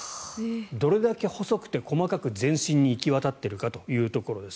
どれだけ細くて、細かく全身に行き渡っているかというところです。